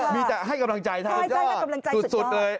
มีแต่ให้กำลังใจทางลุงตู่สุดเลย